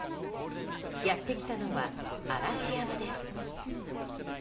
やってきたのは嵐山です。